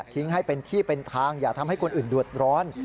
ทิ้งให้เป็นที่เป็นทางอย่าทำให้คนอื่นเดือดร้อน